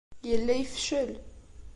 Yella yefcel.